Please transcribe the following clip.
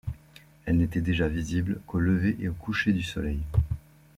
Elle n'était déjà visible qu'au lever et au coucher du Soleil.